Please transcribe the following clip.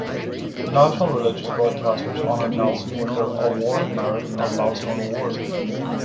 The National Religious Broadcasters honored Nelson with their "Award of Merit" and "Milestone Award".